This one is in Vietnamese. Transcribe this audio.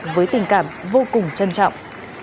với tình cảm vô cùng trân trọng